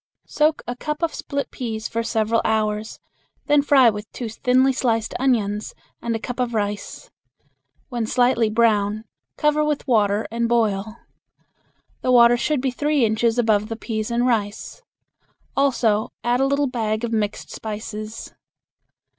Soak a cup of split peas for several hours, then fry with two thinly sliced onions and a cup of rice. When slightly brown, cover with water and boil. The water should be three inches above the peas and rice; also add a little bag of mixed spices.